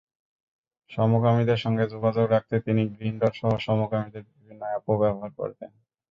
সমকামীদের সঙ্গে যোগাযোগ রাখতে তিনি গ্রিন্ডরসহ সমকামীদের বিভিন্ন অ্যাপও ব্যবহার করতেন।